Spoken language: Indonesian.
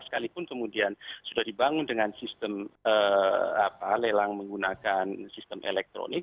sekalipun kemudian sudah dibangun dengan sistem lelang menggunakan sistem elektronik